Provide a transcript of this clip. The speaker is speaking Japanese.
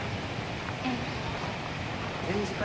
ええ展示会